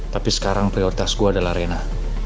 tapi sekarang prioritas gue adalah rena